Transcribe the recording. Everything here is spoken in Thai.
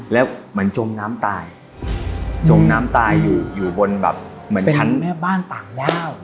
แล้วมันจมน้ำตายจมน้ำตายอยู่บนแบบเป็นแม่บ้านต่างล่าว